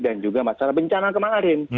dan juga masalah bencana kemarin